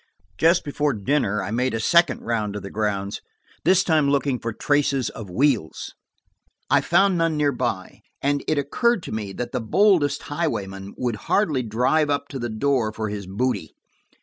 Just before dinner I made a second round of the grounds, this time looking for traces of wheels. I found none near by, and it occurred to me that the boldest highwayman would hardly drive up to the door for his booty.